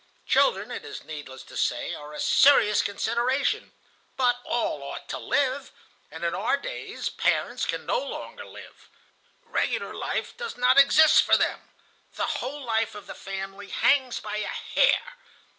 Children, it is needless to say, are a serious consideration; but all ought to live, and in our days parents can no longer live. Regular life does not exist for them. The whole life of the family hangs by a hair.